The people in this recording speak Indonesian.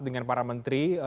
dengan para menteri